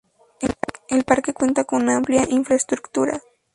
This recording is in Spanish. El parque cuenta con amplia infraestructura.